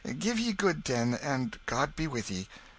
Give ye good den, and God be with ye!"